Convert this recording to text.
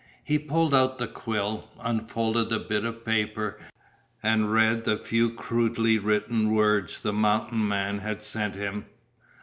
He pulled out the quill, unfolded the bit of paper, and read the few crudely written words the mountain man had sent him.